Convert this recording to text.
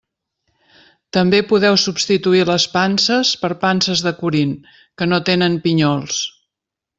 També podeu substituir les panses per panses de Corint, que no tenen pinyols.